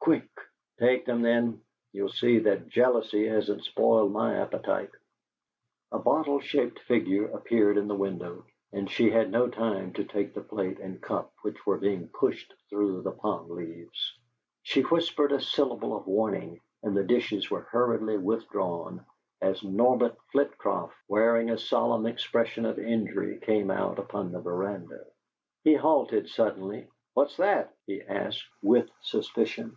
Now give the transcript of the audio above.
Quick!" "Take them, then. You'll see that jealousy hasn't spoiled my appetite " A bottle shaped figure appeared in the window and she had no time to take the plate and cup which were being pushed through the palm leaves. She whispered a syllable of warning, and the dishes were hurriedly withdrawn as Norbert Flitcroft, wearing a solemn expression of injury, came out upon the veranda. He halted suddenly. "What's that?" he asked, with suspicion.